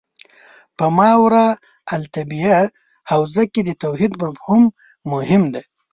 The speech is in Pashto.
په ماورا الطبیعه حوزه کې د توحید مفهوم مهم دی.